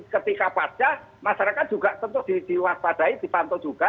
ketika pasca masyarakat juga tentu diwaspadai dipantau juga